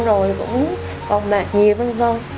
rồi cũng còn mệt nhiều vân vân